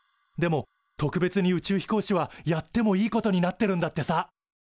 でも特別に宇宙飛行士はやってもいいことになってるんだってさ。